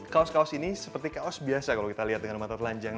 kaos kaos ini seperti kaos biasa kalau kita lihat dengan mata telanjang